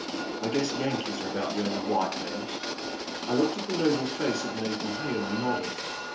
I guess Yankees are about the only white men. I looked at the noble face of Nathan Hale and nodded.